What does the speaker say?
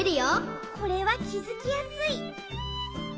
これはきづきやすい！